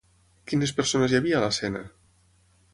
Quines persones hi havia a l'escena?